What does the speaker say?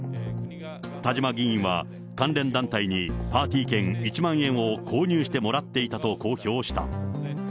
田嶋議員は関連団体にパーティー券１万円を購入してもらっていたと公表した。